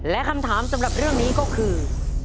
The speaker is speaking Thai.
และคำถามสำหรับเรื่องนี้ก็คือ